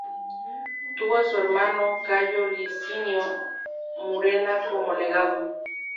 Tuvo a su hermano Cayo Licinio Murena como legado.